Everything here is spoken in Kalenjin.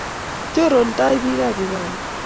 chorontoi bikab uganda